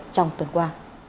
trong tuần qua